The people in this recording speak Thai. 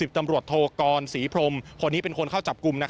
ตำรวจโทกรศรีพรมคนนี้เป็นคนเข้าจับกลุ่ม